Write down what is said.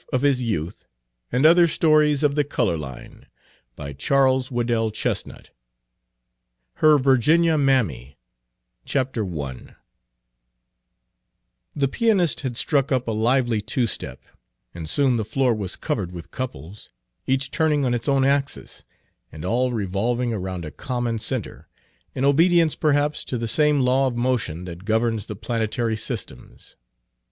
Permit me to introduce to you the wife of my youth." Page 25 HER VIRGINIA MAMMY I THE pianist had struck up a lively two step, and soon the floor was covered with couples, each turning on its own axis, and all revolving around a common centre, in obedience perhaps to the same law of motion that governs the planetary systems.